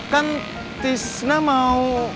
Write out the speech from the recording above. kan tisna mau